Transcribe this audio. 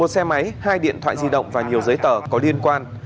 một xe máy hai điện thoại di động và nhiều giấy tờ có liên quan